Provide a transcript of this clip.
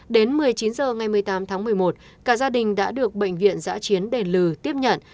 đến một mươi chín h ngày một mươi tám tháng một mươi một cả gia đình đã được bệnh viện giã chiến đền lừ tiếp nhận